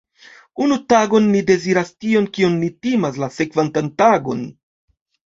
Unu tagon, ni deziras tion, kion ni timas la sekvantan tagon.